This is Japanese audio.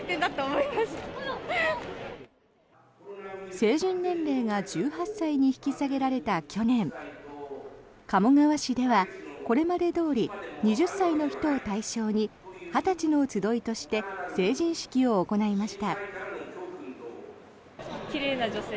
成人年齢が１８歳に引き下げられた去年鴨川市では、これまでどおり２０歳の人を対象に二十歳の集いとして成人式を行いました。